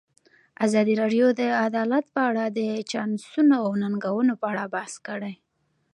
ازادي راډیو د عدالت په اړه د چانسونو او ننګونو په اړه بحث کړی.